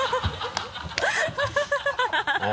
ハハハ